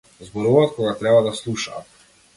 Зборуваат кога треба да слушаат.